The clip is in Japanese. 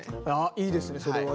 いいですねそれは。